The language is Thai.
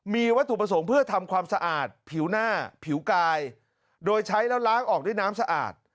มีวัตถุประสงค์เพื่อทำความสะอาดผิวหน้าผิวกายโดยใช้แล้วล้างออกด้วยน้ำสะอาด